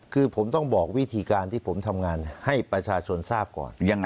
คือผมต้องบอกวิธีการที่ผมทำงานให้ประชาชนทราบก่อน